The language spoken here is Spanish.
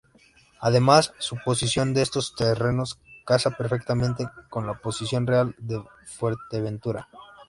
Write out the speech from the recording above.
Además, su posición en estos terrenos casa perfectamente con la posición real de Fuerteventura.